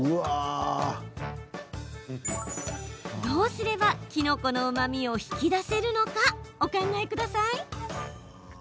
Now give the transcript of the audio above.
どうすれば、きのこのうまみを引き出せるのかお考えください。